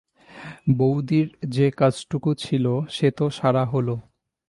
বউদির যে কাজটুকু ছিল, সে তো সারা হল।